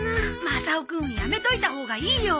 マサオくんやめといたほうがいいよ。